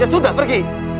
ya sudah pergi